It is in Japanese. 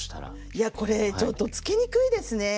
いやこれちょっとつけにくいですね。